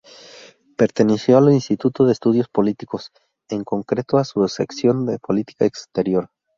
Perteneció al Instituto de Estudios Políticos, en concreto a su sección de Política Exterior.